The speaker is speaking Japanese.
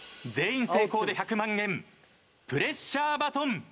全員成功で１００万円プレッシャーバトン。